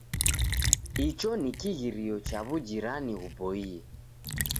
Icho ni kighirio cha w'ujirani ghuboie.